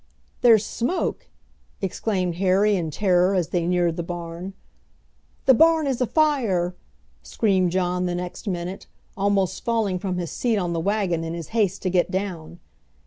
"There's smoke!" exclaimed Harry in terror as they neared the barn. "The barn is afire!" screamed John the next minute, almost falling from his seat on the wagon in his haste to get down.